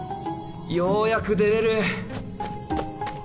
ようやく出れる！